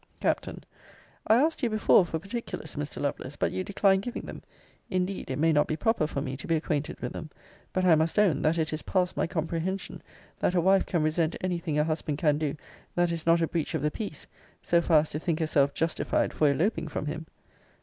Capt. I asked you before for particulars, Mr. Lovelace; but you declined giving them. Indeed it may not be proper for me to be acquainted with them. But I must own, that it is past my comprehension, that a wife can resent any thing a husband can do (that is not a breach of the peace) so far as to think herself justified for eloping from him.